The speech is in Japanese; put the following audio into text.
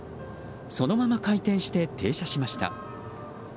そのまま回転して、停車しました。